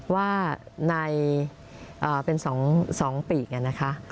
ว่าเป็นสองปีกนะคะ